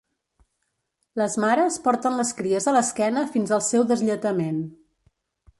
Les mares porten les cries a l'esquena fins al seu deslletament.